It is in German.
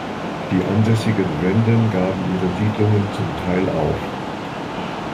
Die ansässigen Wenden gaben ihre Siedlungen zum Teil auf.